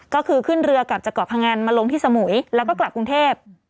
ก็คือขึ้นเรือกลับจากเกาะพงันมาลงที่สมุยแล้วก็กลับกรุงเทพ